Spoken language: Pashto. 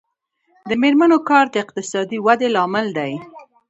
د میرمنو کار د اقتصادي ودې لامل دی.